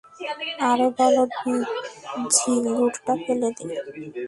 আরে বলদ, ঝিঙ্গুরটা ফেলে দে।